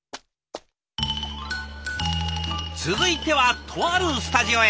続いてはとあるスタジオへ。